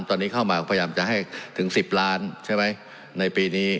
ตอนนี้เข้ามาก็พยายามจะให้ถึง๑๐ล้านใช่ไหมในปีนี้